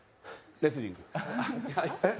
レスリング。